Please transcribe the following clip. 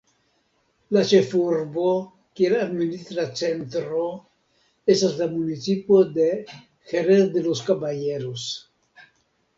La ĉefurbo, kiel administra centro, estas la municipo de Jerez de los Caballeros.